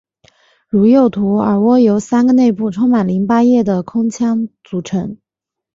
如右图耳蜗由三个内部充满淋巴液的空腔组成。